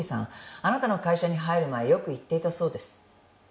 あなたの会社に入る前よく行っていたそうです」